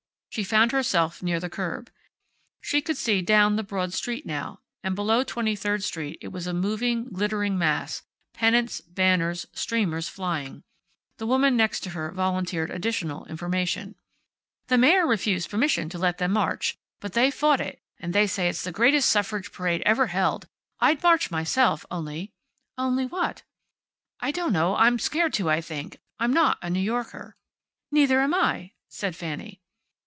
She found herself near the curb. She could see down the broad street now, and below Twenty third street it was a moving, glittering mass, pennants, banners, streamers flying. The woman next her volunteered additional information. "The mayor refused permission to let them march. But they fought it, and they say it's the greatest suffrage parade ever held. I'd march myself, only " "Only what?" "I don't know. I'm scared to, I think. I'm not a New Yorker." "Neither am I," said Fanny.